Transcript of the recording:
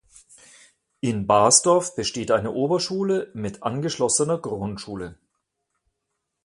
In Basdorf besteht eine Oberschule mit angeschlossener Grundschule.